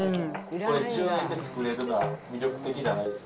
１０円で作れるのは魅力的じゃないですか。